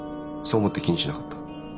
そう思って気にしなかった。